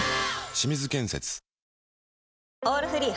清水建設「オールフリー」